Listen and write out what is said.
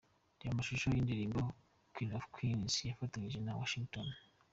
Reba amashusho y'indirimbo 'Queen of queens' yafatanije na Washington.